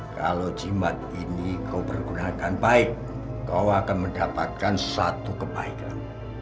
kalau jimat ini kau pergunakan baik kau akan mendapatkan satu kebaikan